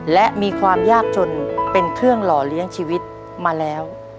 และมีความยากจนเป็นเครื่องหล่อเลี้ยงชีวิตมาแล้ว